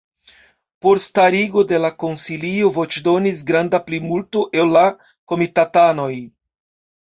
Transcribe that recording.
Por starigo de la konsilio voĉdonis granda plimulto el la komitatanoj.